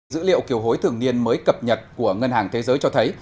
dữ liệu kiều hối thường niên mới cập nhật của ngân hàng thế giới cho thấy